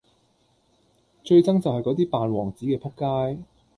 最憎就系果啲扮王子嘅仆街!